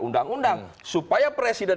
undang undang supaya presiden